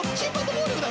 ［暴力だ！